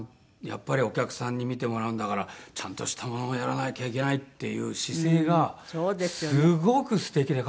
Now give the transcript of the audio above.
やっぱりお客さんに見てもらうんだからちゃんとしたものをやらなきゃいけないっていう姿勢がすごく素敵で格好良くて。